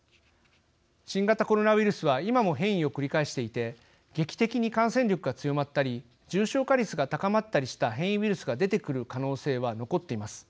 新型コロナウイルスは今も変異を繰り返していて劇的に感染力が強まったり重症化率が高まったりした変異ウイルスが出てくる可能性は残っています。